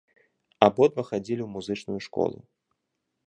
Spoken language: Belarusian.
Абодва хадзілі ў музычную школу.